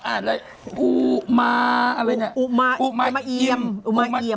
อาจารย์อู่มาอะไรเนี่ย